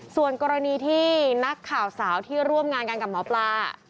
ส่วนกรณีที่นักข่าวสาวที่ร่วมงานกันกับหมอปลา